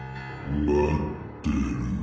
まってる。